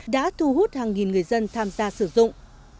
đã thu hút hàng nghìn người dân tham gia sử dụng